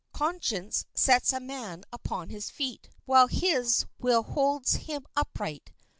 Conscience sets a man upon his feet, while his will holds him upright.